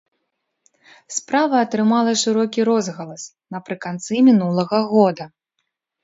Справа атрымала шырокі розгалас напрыканцы мінулага года.